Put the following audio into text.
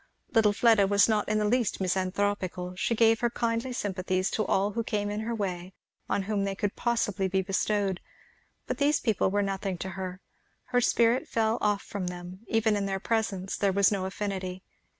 Little Fleda was not in the least misanthropical; she gave her kindly sympathies to all who came in her way on whom they could possibly be bestowed; but these people were nothing to her: her spirit fell off from them, even in their presence; there was no affinity.